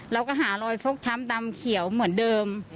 เราก็หารอยฟกช้ำดำเขียวเหมือนเดิม